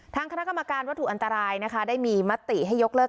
ทางคณะกรรมการวัตถุอันตรายนะคะได้มีมติให้ยกเลิก